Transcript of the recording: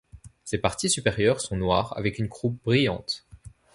Ses parties supérieures sont noires avec une croupe brillante.